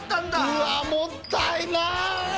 うわもったいない！